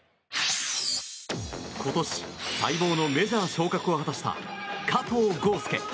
今年、待望のメジャー昇格を果たした加藤豪将。